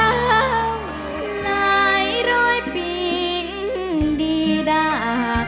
เกาไหลโรยปีนดีรัก